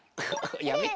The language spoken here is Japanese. やめて。